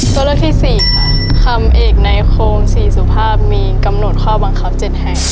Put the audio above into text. ตัวเลือกที่สี่ค่ะคำเอกในโคมสี่สุภาพมีกำหนดข้อบังคับ๗แห่ง